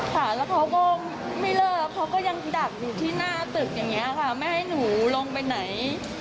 ค่ะแล้วเขาก็ไม่เลิกเขาก็ยังดักอยู่ที่หน้าตึกอย่างนี้ค่ะไม่ให้หนูลงไปไหน